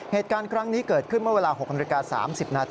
เหตุการณ์ครั้งนี้เกิดขึ้นเมื่อเวลา๖๓๐น